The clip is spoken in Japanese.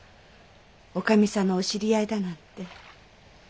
女将さんのお知り合いだなんて。